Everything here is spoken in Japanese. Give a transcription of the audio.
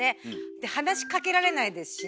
で話しかけられないですしね。